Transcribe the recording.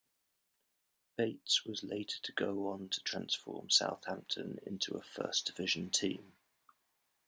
Bates was later to go on to transform Southampton into a First Division team.